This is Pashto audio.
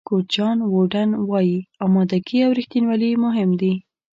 کوچ جان ووډن وایي آمادګي او رښتینولي مهم دي.